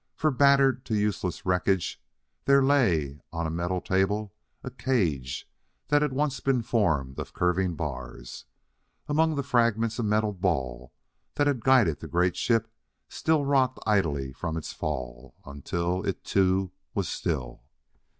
For, battered to useless wreckage, there lay on a metal table a cage that had once been formed of curving bars. Among the fragments a metal ball that had guided the great ship still rocked idly from its fall, until it, too, was still.